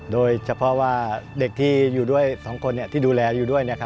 โดยเฉพาะว่าเด็กที่อยู่ด้วย๒คนที่ดูแลอยู่ด้วย